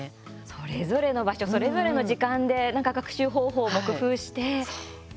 それぞれの場所それぞれの時間でなんか学習方法を工夫して。